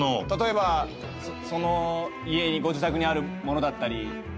例えばその家にご自宅にあるものだったり。